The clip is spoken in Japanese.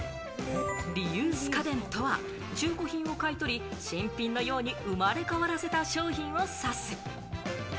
リユース家電とは中古品を買い取り、新品のように生まれ変わらせた商品を指す。